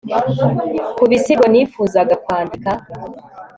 kubisigo sinifuzaga kwandika